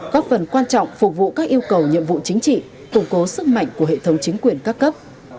góp phần quan trọng phục vụ các yêu cầu nhiệm vụ chính trị củng cố sức mạnh của hệ thống chính quyền các cấp